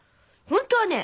本当はね